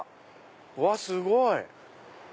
うわすごい！